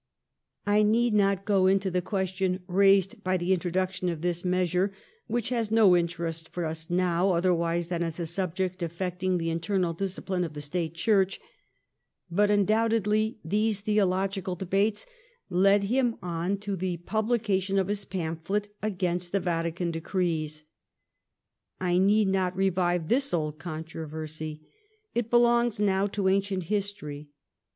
I need not go into the question raised by the introduction of this meas ure, which has no interest for us now otherwise than as a subject affecting the internal discipline of the State Church. But undoubtedly these theo logical debates led him on to the publication of his pamphlet against the Vatican Decrees. I need not revive this old controversy. It belongs now to ancient history.